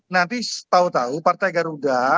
nanti tau tau partai garuda